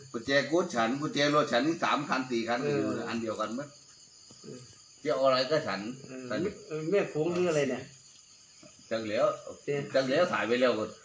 ปุ๊จะเกาะฉั่นปุ๊แต่ลัดฉั่นสามคันสี่คันอันเดียวกัน